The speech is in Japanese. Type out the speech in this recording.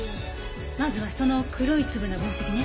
まずはその黒い粒の分析ね。